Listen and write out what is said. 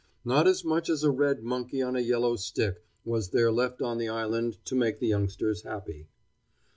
Not as much as a red monkey on a yellow stick was there left on the island to make the youngsters happy.